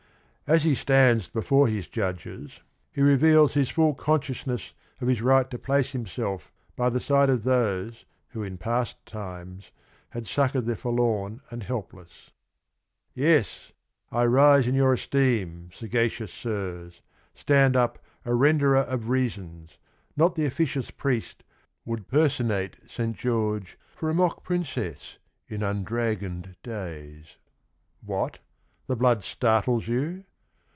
As he stands before his judges he reveals 106 THE RING AND THE BOOK his full consciousness of his right to place him self by the side of those who in past times had succored the forlorn and helpless. "Yes, I rise in your esteem, sagacious Sirs, Stand up a Tenderer of reasons, not The officious priest would personate Saint George For a mock Princess in undragoned days. What, the blood startles you?